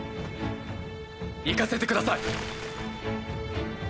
行かせてください。